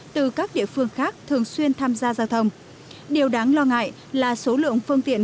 từ các địa phương khác thường xuyên tham gia giao thông điều đáng lo ngại là số lượng phương tiện